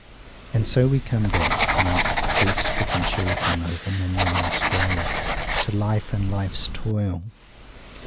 And so we come back, like the grief stricken children over Mignon's grave, to Life and Life's toil.